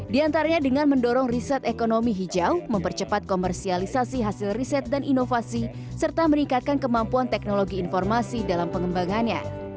di antaranya dengan mendorong riset ekonomi hijau mempercepat komersialisasi hasil riset dan inovasi serta meningkatkan kemampuan teknologi informasi dalam pengembangannya